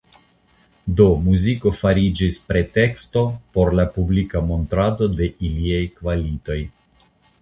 Do muziko fariĝis preteksto por la publika montrado de iliaj kvalitoj.